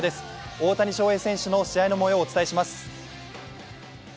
大谷翔平選手の試合のもようをお伝えします。